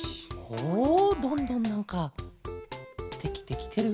おどんどんなんかできてきてる？